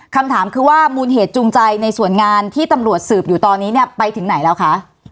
คำถามคือว่ามูลเหตุจูงใจในส่วนงานที่ตำรวจสืบอยู่ตอนนี้เนี่ยไปถึงไหนแล้วคะ